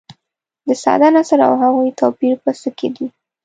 د ساده نثر او هغوي توپیر په څه کې دي.